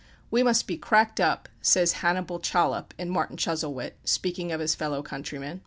"We must be cracked up," says Hannibal Chollop, in "Martin Chuzzlewit," speaking of his fellow countrymen.